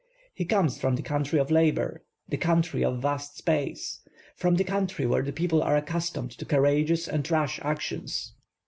He comes from the" country of labor, the country of vast space, from the country where the people are accustomed to courageous and rash actions.